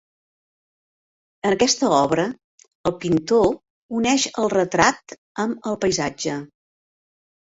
En aquesta obra, el pintor uneix el retrat amb el paisatge.